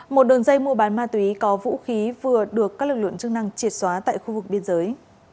một đường dây mua bán ma túy có vũ khí vừa được các lực lượng chức năng triệt xóa tại khu vực biên giới